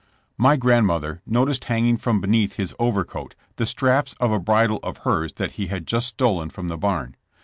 '' My grandmother noticed hanging from beneath his overcoat the straps of a bridle of hers that he had just stolen from the barn.